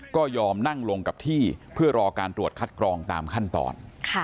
ก็ยอมนั่งลงกับที่เพื่อรอการตรวจคัดกรองตามขั้นตอน